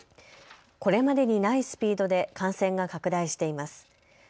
これまでにないスピードで感染が拡大しています。